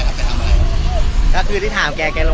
วันนี้เราจะมาจอดรถที่แรงละเห็นเป็น